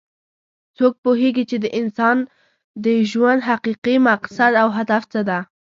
څوک پوهیږي چې د انسان د ژوند حقیقي مقصد او هدف څه ده